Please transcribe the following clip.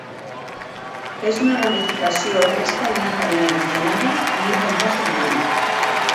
És una ramificació o resta d'una cadena hidrogenada en un compost orgànic.